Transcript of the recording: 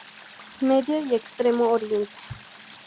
Medio y Extremo Oriente.